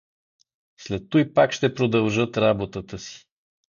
След туй пак ще продължат работата си.